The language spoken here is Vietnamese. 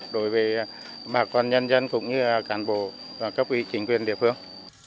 đối với mạc quan nhân dân cũng như cán bộ và các vị chính quyền địa phương